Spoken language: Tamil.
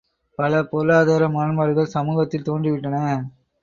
பல பொருளாதார முரண்பாடுகள் சமூகத்தில் தோன்றிவிட்டன.